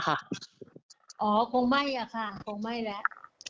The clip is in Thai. อ๋อคงไม่ค่ะคงไม่แล้ว